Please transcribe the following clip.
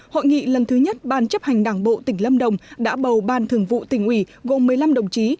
hội nghị lần thứ nhất ban chấp hành đảng bộ tỉnh lâm đồng đã bầu ban thường vụ tỉnh ủy gồm một mươi năm đồng chí